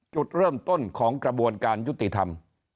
จุดเริ่มต้นของกระบวนการยุติธรรม